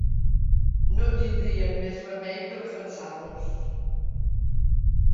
...no tindríem més remei que defensar-nos